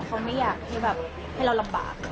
เขาไม่อยากให้แบบให้เราลำบาก